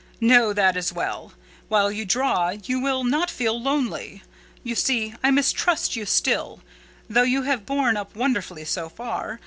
No, that is well: while you draw you will not feel lonely. You see, I mistrust you still, though you have borne up wonderfully so far.